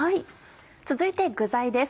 続いて具材です